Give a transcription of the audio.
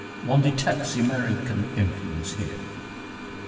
One detects American influence here.